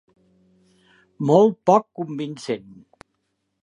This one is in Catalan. Molt poc convincent!